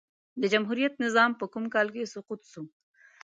د جمهوريت نظام په کوم کال کی سقوط سو؟